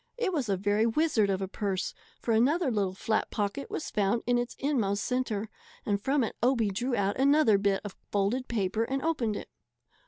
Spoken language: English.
It was a very wizard of a purse, for another little flat pocket was found in its inmost centre, and from it Obie drew out another bit of folded paper and opened it.